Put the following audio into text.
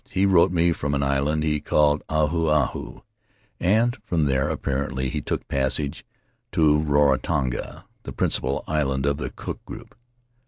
He wrote me from an island he called Ahu Ahu, and from there, apparently, he took passage to Rarotonga, the principal island of the Cook group.